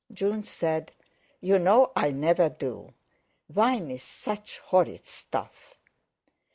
June said: "You know I never do. Wine's such horrid stuff!"